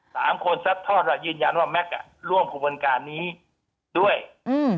สามคนซัดทอดว่ายืนยันว่าแม็กซ์อ่ะร่วมกระบวนการนี้ด้วยอืม